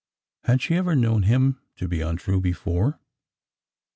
Had she ever known him to be untrue before?